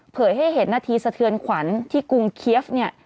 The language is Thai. ให้เห็นนาทีสะเทือนขวัญที่กรุงเคียฟเนี่ย